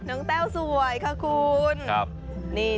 แต้วสวยค่ะคุณ